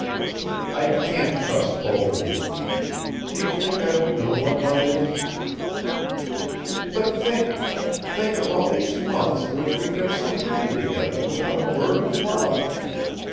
"I can't trust both of you. Do you think I don't know what love is?" "But think ... think of all these months in which we've been so happy together without a word of love!